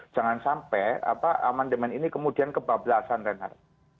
jangan sampai amandemen ini kemudian kebablasan reinhardt